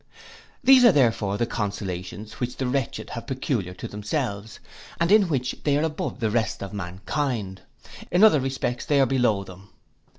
These are therefore the consolations which the wretched have peculiar to themselves, and in which they are above the rest of mankind; in other respects they are below them.